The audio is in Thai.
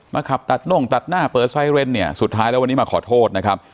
ขับตัดน่งตัดหน้าเปิดไซเรนเนี่ยสุดท้ายแล้ววันนี้มาขอโทษนะครับ